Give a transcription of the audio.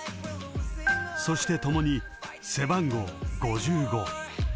［そして共に背番号５５］